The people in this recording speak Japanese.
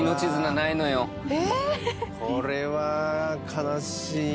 これは悲しいね。